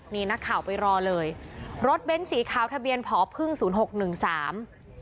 นี่นักข่าวไปรอเลยรถเบ้นสีขาวทะเบียนผอพึ่งศูนย์หกหนึ่งสาม